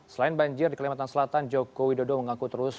selain banjir di kalimantan selatan joko widodo mengaku terus